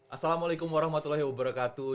assalamualaikum warahmatullahi wabarakatuh